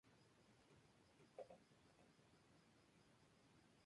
Se localiza un par de pequeños cráteres en la parte noroeste del suelo interior.